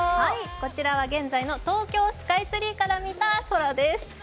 こちらは現在の東京スカイツリーから見た空です。